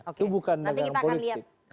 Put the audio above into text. itu bukan dagangan politik